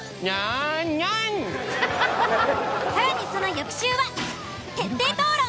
更にその翌週は徹底討論！